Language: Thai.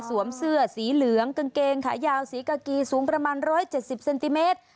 เสื้อสีเหลืองกางเกงขายาวสีกากีสูงประมาณ๑๗๐เซนติเมตร